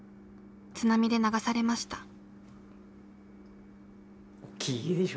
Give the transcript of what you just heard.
津波で流されました。